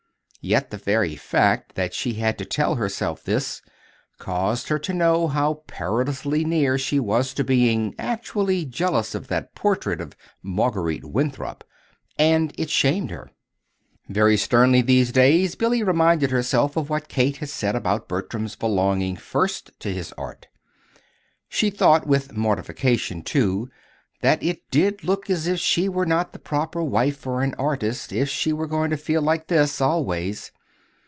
Yet the very fact that she had to tell herself this, caused her to know how perilously near she was to being actually jealous of that portrait of Marguerite Winthrop. And it shamed her. Very sternly these days Billy reminded herself of what Kate had said about Bertram's belonging first to his Art. She thought with mortification, too, that it did look as if she were not the proper wife for an artist if she were going to feel like this always.